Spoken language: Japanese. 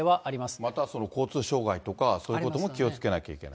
また交通障害とか、そういうことも気をつけなきゃいけない。